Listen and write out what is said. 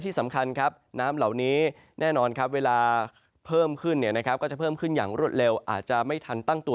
ที่สำคัญน้ำเหล่านี้แน่นอนเวลาเพิ่มขึ้นรวดเร็วอาจจะไม่ทันตั้งตัว